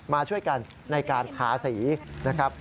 มาช่วยกันในการทาสีนะครับ